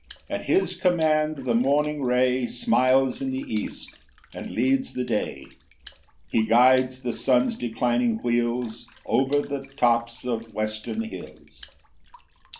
7 At his command the morning ray Smiles in the east, and leads the day; He guides the sun's declining wheels Over the tops of western hills.